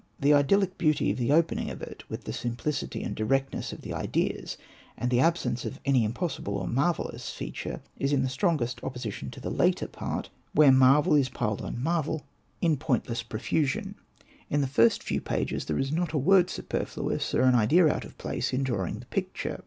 The idyllic beauty of the opening of it, with V the simplicity and directness of the ideas, and the absence of any impossible or marvellous feature, is in the strongest opposition to the latter part, where marvel is piled on marvel in Hosted by Google REMARKS 67 pointless profusion. In the first few pages there is not a word superfluous or an idea out of place in drawing the picture.